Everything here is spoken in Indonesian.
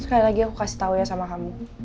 sekali lagi aku kasih tau ya sama kamu